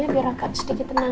biar aku sedikit tenang